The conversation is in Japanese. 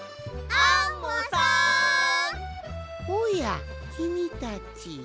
おやきみたち。